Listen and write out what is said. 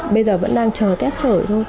bây giờ vẫn đang chờ kết sởi